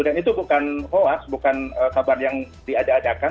dan itu bukan hoas bukan kabar yang diadakan adakan